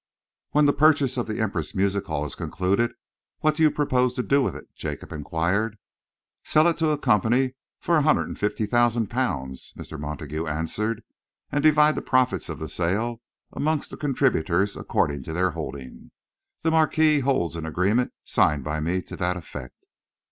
"When the purchase of the Empress Music Hall is concluded, what do you propose to do with it?" Jacob enquired. "Sell it to a company for a hundred and fifty thousand," Mr. Montague answered, "and divide the profits of the sale amongst the contributors according to their holding. The Marquis holds an agreement signed by me to that effect."